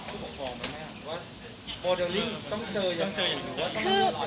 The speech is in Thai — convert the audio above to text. ผู้ปกครองนะแม่ว่าโมเดลลิ้งต้องเจออย่างไร